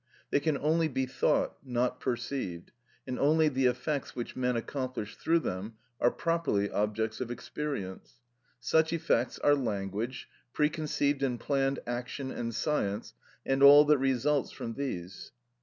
They can only be thought, not perceived, and only the effects which men accomplish through them are properly objects of experience. Such effects are language, preconceived and planned action and science, and all that results from these.